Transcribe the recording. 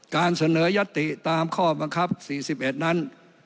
การเสนอยัตติตามข้อบังคับ๔๑นั้น